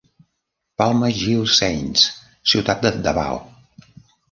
Palma Gil Saints, ciutat de Davao.